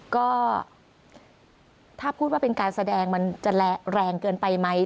ก็ถ้าพูดว่าเป็นการแสดงมันจะแรงเกินไปไหม